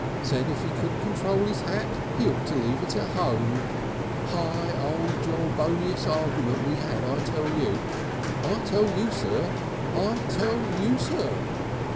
Said if he couldn't control his hat he ought to leave it at home. High old jawbacious argument we had, I tell you. 'I tell you, sir ' 'I tell you, sir.'